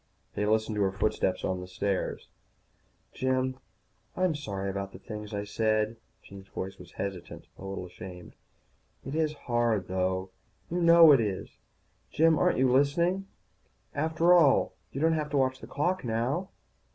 They listened to her footsteps on the stairs. "Jim, I'm sorry about the things I said." Jean's voice was hesitant, a little ashamed. "It is hard, though, you know it is Jim, aren't you listening? After all, you don't have to watch the clock now."